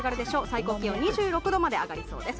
最高気温２６度まで上がりそうです。